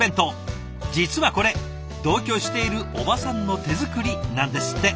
実はこれ同居している伯母さんの手作りなんですって！